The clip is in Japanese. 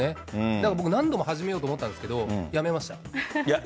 だから僕、何度も始めようと思ったんですけど、やめました。